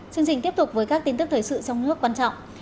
chương trình tiếp tục với các tin tức thời sự trong nước quan trọng